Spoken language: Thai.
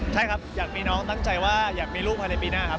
ใช่ครับอยากมีน้องตั้งใจว่าอยากมีลูกภายในปีหน้าครับ